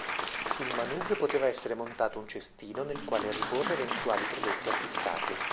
Sul manubrio poteva essere montato un cestino nel quale riporre eventuali prodotti acquistati.